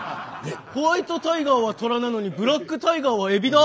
ホワイトタイガーはトラなのにブラックタイガーはエビだ！